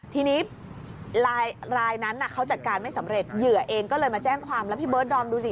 ทีนี้ลายนั้นเขาจัดการไม่สำเร็จเหยื่อเองก็เลยมาแจ้งความแล้วพี่เบิร์ดดอมดูสิ